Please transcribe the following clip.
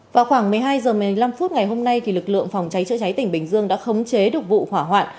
vào khoảng một mươi hai h một mươi năm phút ngày hôm nay lực lượng phòng cháy chữa cháy tỉnh bình dương đã khống chế được vụ hỏa hoạn